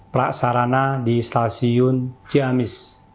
perbaikan peraksaraan di stasiun ciamis